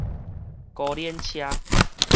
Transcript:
孤輪車